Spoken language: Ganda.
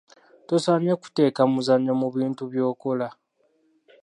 Tosaanye kuteeka muzannyo mu bintu by'okola.